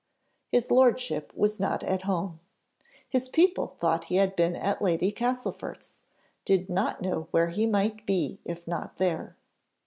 His lordship was not at home: his people thought he had been at Lady Castlefort's; did not know where he might be if not there.